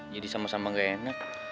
sama sama gak enak